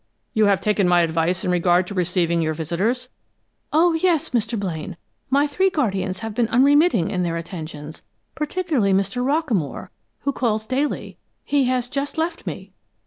"You have taken my advice in regard to receiving your visitors?" "Oh, yes, Mr. Blaine. My three guardians have been unremitting in their attentions, particularly Mr. Rockamore, who calls daily. He has just left me."